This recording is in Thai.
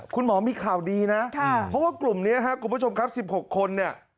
คุณหมอมีข่าวดีนะเพราะว่ากลุ่มนี้ครับ๑๖คน